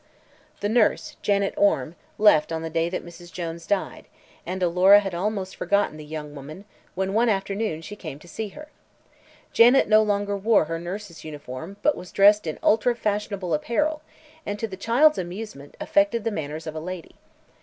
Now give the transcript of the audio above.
The nurse, Janet Orme, left on the day that Mrs. Jones died, and Alora had almost forgotten the young woman when one afternoon she came to see her. Janet no longer wore her nurse's uniform but was dressed in ultra fashionable apparel and to the child's amusement affected the manners of a lady.